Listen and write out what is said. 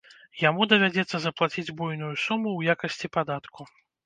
Яму давядзецца заплаціць буйную суму ў якасці падатку.